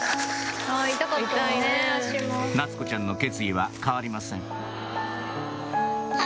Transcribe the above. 夏子ちゃんの決意は変わりませんな